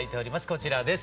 こちらです。